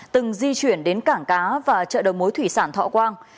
từng di chuyển đến cảng cá và trợ đồng mối thủy sản thọ quang